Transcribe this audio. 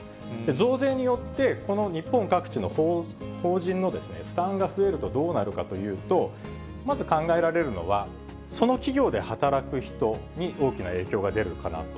増税によって、この日本各地の法人の負担が増えるとどうなるかというと、まず考えられるのは、その企業で働く人に大きな影響が出るかなと。